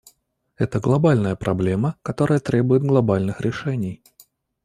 Это глобальная проблема, которая требует глобальных решений.